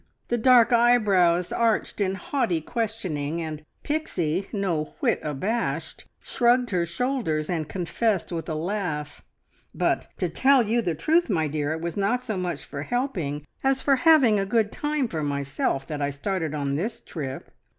The dark eyebrows arched in haughty questioning, and Pixie, no whit abashed, shrugged her shoulders and confessed with a laugh: "But to tell you the truth, my dear, it was not so much for helping, as for having a good time for myself, that I started on this trip.